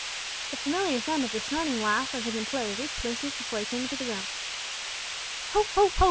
The familiar sound of the snorting laugh of his employer reached Lucius before he came into the room. "Ho, ho, ho!